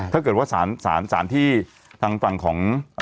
ถ้าเกิดว่าสารที่ทางฝั่งของ